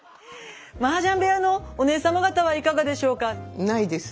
マージャン部屋のお姉様方はいかがでしょうか？